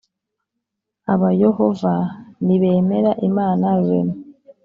abayohova nibemera imana rurema